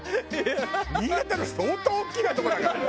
新潟の相当大きなところだからね！